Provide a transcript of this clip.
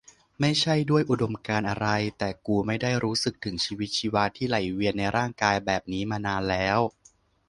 ไม่ใช่ด้วยอุดมการณ์อะไร แต่กูไม่ได้รู้สึกถึงชีวิตชีวาที่ไหลเวียนในร่างกายแบบนี้มานานแล้ว